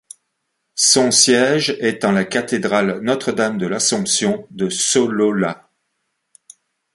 Son siège est en la cathédrale Notre-Dame-de-l'Assomption de Sololá.